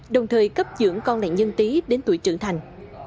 đồng thời cấp dưỡng con nạn nhân tí đến tuổi trưởng thành